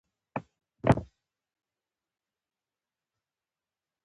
نو ستوري هم نه شي لیدلی.